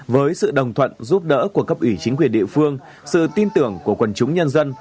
với sự đồng thuận giúp đỡ của cấp ủy chính quyền địa phương sự tin tưởng của quần chúng nhân dân